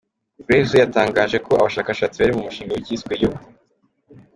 Graves we yatangaje ko abashakashatsi bari mu mushinga w’icyiswe’ U.